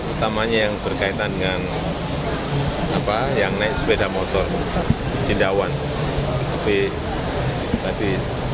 utamanya yang berkaitan dengan apa yang naik sepeda motor jendawan tapi tadi